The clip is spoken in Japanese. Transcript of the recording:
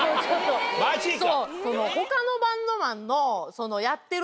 マジか？